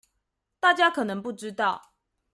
大家可能不知道